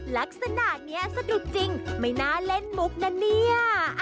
ลักษณะนี้สะดุดจริงไม่น่าเล่นมุกนะเนี่ย